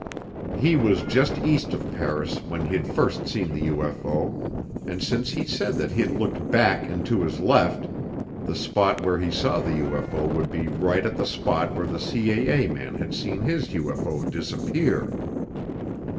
He was just east of Paris when he'd first seen the UFO, and since he said that he'd looked back and to his left, the spot where he saw the UFO would be right at a spot where the CAA man had seen his UFO disappear.